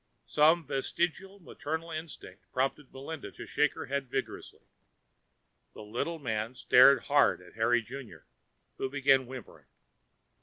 Some vestigial maternal instinct prompted Melinda to shake her head vigorously. The little man stared hard at Harry Junior, who began whimpering.